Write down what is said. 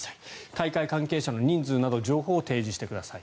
大会関係者の人数など情報を提示してください。